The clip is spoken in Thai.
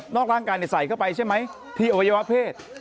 ร่างกายใส่เข้าไปใช่ไหมที่อวัยวะเพศ